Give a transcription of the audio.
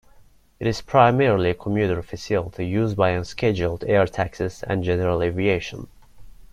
It is primarily a commuter facility used by unscheduled air taxis and general aviation.